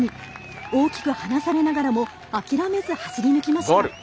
大きく離されながらも諦めず走り抜きました。